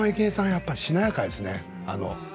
やっぱりしなやかですね。